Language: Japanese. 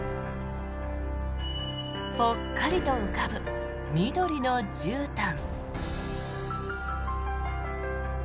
ぽっかりと浮かぶ緑のじゅうたん。